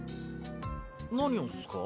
何をっすか？